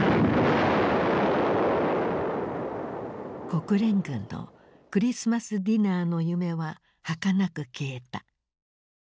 国連軍のクリスマス・ディナーの夢ははかなく消えた。